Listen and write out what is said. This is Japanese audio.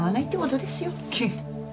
ケッ！